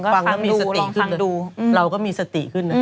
ก็ฟังดูลองฟังดูอเรนนี่ฟังแล้วมีสติขึ้นเลย